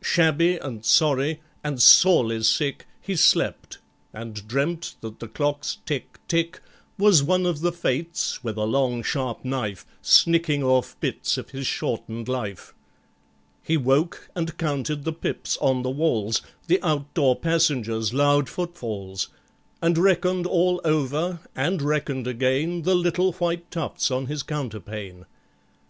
Shabby and sorry and sorely sick, He slept, and dreamt that the clock's "tick, tick," Was one of the Fates, with a long sharp knife, Snicking off bits of his shortened life. He woke and counted the pips on the walls, The outdoor passengers' loud footfalls, And reckoned all over, and reckoned again, The little white tufts on his counterpane.